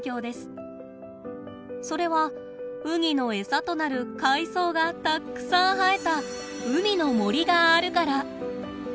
それはウニの餌となる海藻がたくさん生えた海の森があるから。